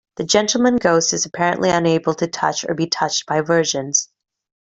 The Gentleman Ghost is apparently unable to touch or be touched by virgins.